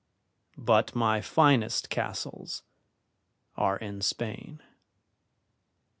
But my finest castles are in Spain.